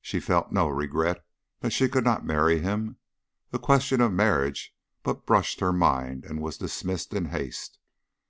She felt no regret that she could not marry him; the question of marriage but brushed her mind and was dismissed in haste.